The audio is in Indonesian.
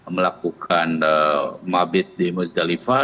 melakukan mabit di muzdalifah